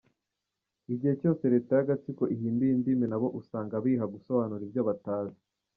Igihe cyose leta y’agatsiko ihinduye indimi nabo usanga biha gusobanura ibyo batazi.